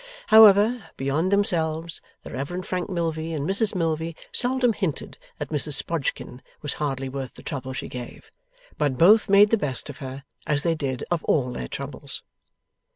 However, beyond themselves, the Reverend Frank Milvey and Mrs Milvey seldom hinted that Mrs Sprodgkin was hardly worth the trouble she gave; but both made the best of her, as they did of all their troubles.